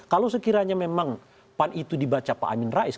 kalau sekiranya memang pan itu dibaca pak amin rais